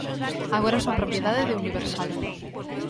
Agora son propiedade de Universal.